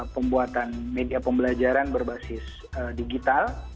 pembuatan media pembelajaran berbasis digital